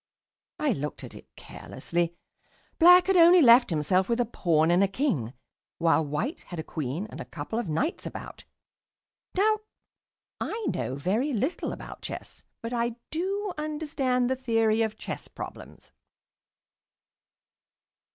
I looked at it carelessly. Black had only left himself with a Pawn and a King, while White had a Queen and a couple of Knights about. Now, I know very little about chess, but I do understand the theory of chess problems.